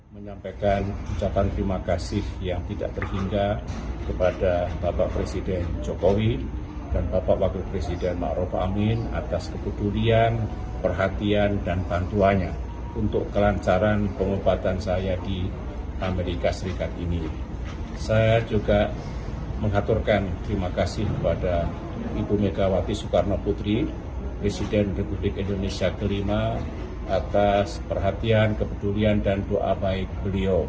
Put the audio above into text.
menyampaikan ucapan terima kasih yang tidak terhingga kepada bapak presiden jokowi dan bapak wakil presiden ma'arof